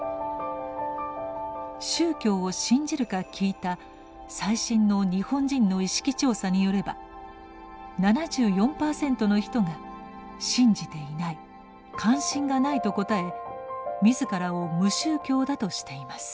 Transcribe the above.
宗教を信じるか聞いた最新の日本人の意識調査によれば７４％の人が「信じていない関心がない」と答え自らを無宗教だとしています。